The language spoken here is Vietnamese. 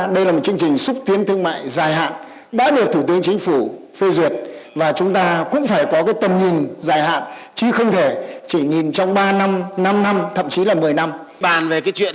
đây là một chương trình xúc tiến thương mại dài hạn đã được thủ tướng chính phủ phê duyệt